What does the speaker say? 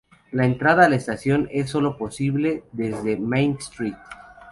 La entrada a la estación es sólo posible desde Main Street.